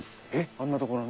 あんな所に？